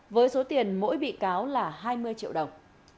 với số tiền mỗi bị cáo là hai mươi triệu đồng